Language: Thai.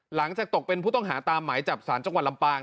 หลังจากตกเป็นผู้ต้องหาตามหมายจับสารจังหวัดลำปาง